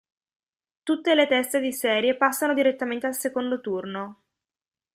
Tutte le teste di serie passano direttamente al secondo turno.